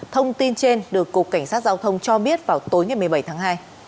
thông tin trên được cục cảnh sát giao thông cho biết vào tối ngày một mươi bảy tháng hai